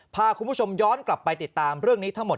พาคุณผู้ชมย้อนกลับไปติดตามเรื่องนี้ทั้งหมด